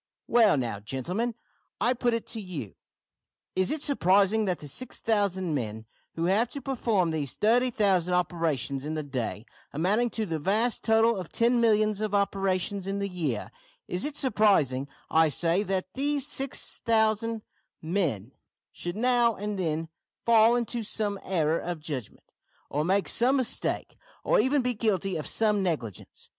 "Well, now, gentlemen, I put it to you, is it surprising that the 6000 men who have to perform these 30,000 operations in the day amounting to the vast total of ten millions of operations in the year is it surprising, I say, that these 6000 men should now and then fall into some error of judgment, or make some mistake, or even be guilty of some negligence?